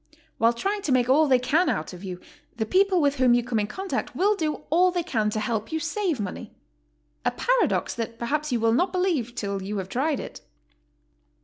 While trying to make all they can out (of you, the people with whom you come in contact will do all they 134 GOING ABROAD? can to help you to save money, — a paradox that perhaps you will not believe till you have tried it.